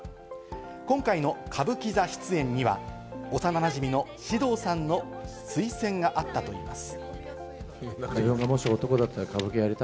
今回の歌舞伎座出演には幼なじみの獅童さんの推薦があったといいます。